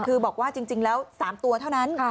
คือบอกว่าจริงแล้ว๓ตัวเท่านั้น